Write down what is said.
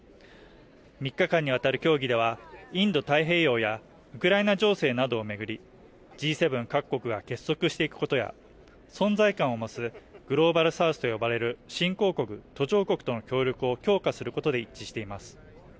３日間にわたる協議ではインド太平洋やウクライナ情勢などを巡り、Ｇ７各国が結束していくことや、存在感を増すグローバルサウスと呼ばれる新興国、途上国との協力を強化することで一致しています。